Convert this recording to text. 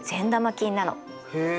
へえ